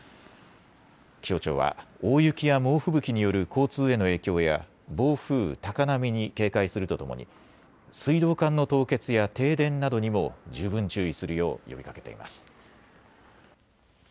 気象庁は大雪や猛吹雪による交通への影響や暴風、高波に警戒するとともに水道管の凍結や停電などにも十分注意するよう呼びかけています。